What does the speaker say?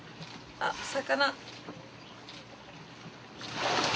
あっ、魚。